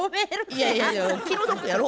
いやいやいや気の毒やろ。